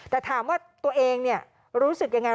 แต่ถามว่าตัวเองรู้สึกยังไง